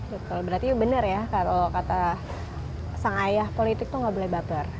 betul berarti benar ya kalau kata sang ayah politik itu gak boleh baper